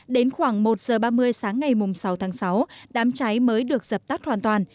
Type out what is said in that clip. đến khoảng một giờ ba mươi sáng ngày sáu tháng sáu đám cháy mới được dập tắt hoàn toàn